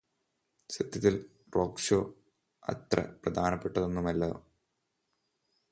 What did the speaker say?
സത്യത്തിൽ റോക്ക്ഷോ അത്രേ പ്രധാനപെട്ടതൊന്നുമല്ലാ